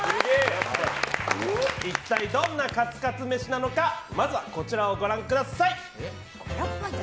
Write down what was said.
一体どんなカツカツ飯なのかまずは、こちらをご覧ください。